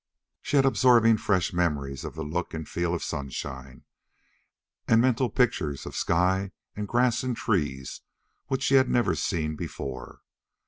She had absorbing fresh memories of the look and feel of sunshine, and mental pictures of sky and grass and trees which she had never seen before.